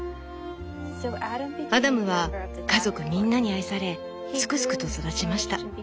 「アダムは家族みんなに愛されすくすくと育ちました。